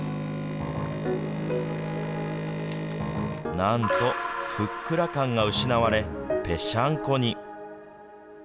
なんと、ふっくら感が失われ、ぺしゃんこに。